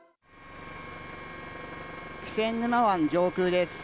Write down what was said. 気仙沼湾上空です。